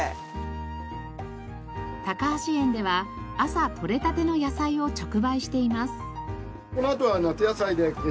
高橋園では朝採れたての野菜を直売しています。